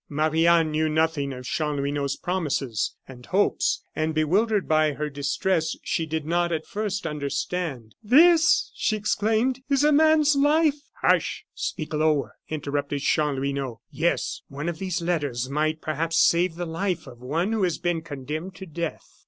Marie Anne knew nothing of Chanlouineau's promises and hopes, and bewildered by her distress, she did not at first understand. "This," she exclaimed, "is a man's life!" "Hush, speak lower!" interrupted Chanlouineau. "Yes, one of these letters might perhaps save the life of one who has been condemned to death."